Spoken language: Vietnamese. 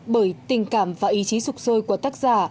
bởi tình cảm và ý chí sụp sôi của tác giả